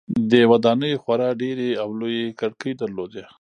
دې ودانیو خورا ډیرې او لویې کړکۍ درلودې.